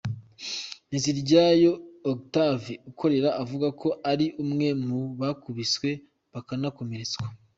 Nteziryayo Octave ukorera avuga ko ari umwe mu bakubiswe bakanakomeretswa.